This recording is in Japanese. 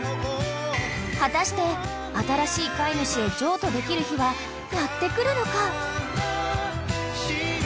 ［果たして新しい飼い主へ譲渡できる日はやって来るのか？］